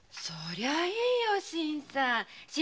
そりゃいいよ新さん。